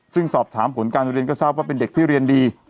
ซึ่งสอบถามผลการเรียนก็ทราบว่าเป็นเด็กที่เรียนดี